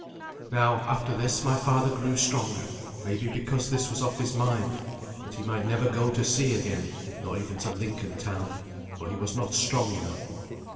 Now after this my father grew stronger, maybe because this was off his mind; but he might never go to sea again, nor even to Lincoln town, for he was not strong enough.